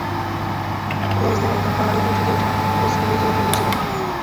কুরাইশদের একজন পাহাড়ের উঁচুতে উঠে পরিস্থিতি পর্যবেক্ষণ করছিল।